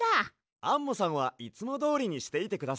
アンモさんはいつもどおりにしていてください。